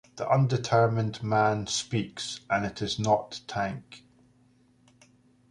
The undetermined man speaks and it is not Tank.